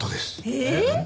えっ？